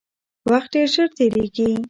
وخت ډیر ژر تیریږي